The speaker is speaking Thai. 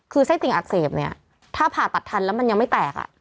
คือไส้ติ่งอักเสบเนี่ยถ้าผ่าตัดทันแล้วมันยังไม่แตก